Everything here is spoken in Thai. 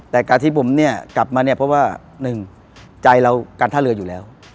แต่การที่ผมกลับมาเพราะว่า๑ใจเราการท่าเรืออยู่แล้ว